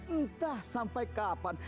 entah sampai kapan